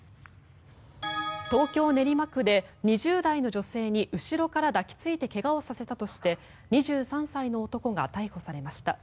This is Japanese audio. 東京・練馬区で２０代の女性に後ろから抱きついて怪我をさせたとして２３歳の男が逮捕されました。